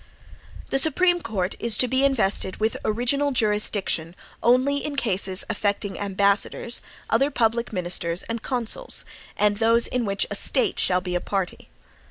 The Supreme Court is to be invested with original jurisdiction, only "in cases affecting ambassadors, other public ministers, and consuls, and those in which A STATE shall be a party."